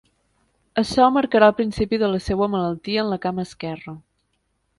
Açò marcarà el principi de la seua malaltia en la cama esquerra.